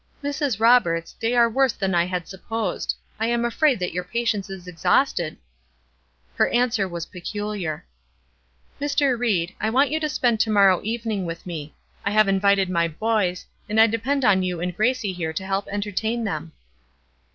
"Mrs. Roberts, they are worse than I had supposed. I am afraid that your patience is exhausted." Her answer was peculiar. "Mr. Ried, I want you to spend to morrow evening with me. I have invited my boys, and I depend on you and Gracie here to help entertain them."